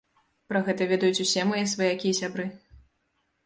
Пра гэта ведаюць усе мае сваякі і сябры.